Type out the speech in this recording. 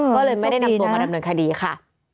ก็เลยไม่ได้นำตัวมาดำเนินคดีค่ะ